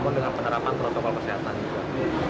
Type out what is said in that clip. dengan penerapan protokol kesehatan juga